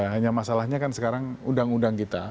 hanya masalahnya kan sekarang undang undang kita